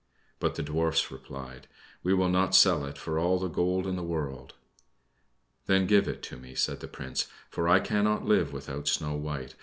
But the Dwarfs replied, "We will not sell it for all the gold in the world." "Then give it to me," said the Prince; "for I cannot live without Snow White.